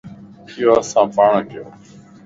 ايو اسان پاڻان ڪيووَ